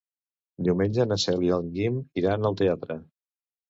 Diumenge na Cel i en Guim iran al teatre.